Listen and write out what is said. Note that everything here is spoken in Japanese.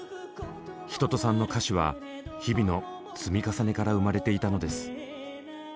一青さんの歌詞は日々の積み重ねから生まれていたのです。